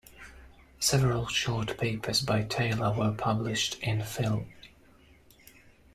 Several short papers by Taylor were published in Phil.